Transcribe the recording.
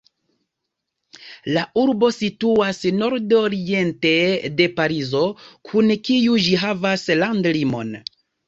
La urbo situas nordoriente de Parizo, kun kiu ĝi havas landlimon.